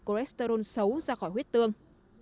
cholesterol xấu ra khỏi huyết tương